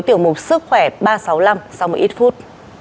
tiểu mục sức khỏe ba trăm sáu mươi năm sau một ít phút